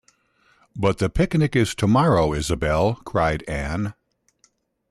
“But the picnic is tomorrow, Isobel,” cried Anne.